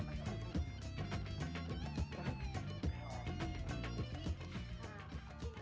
masih kelihatan ya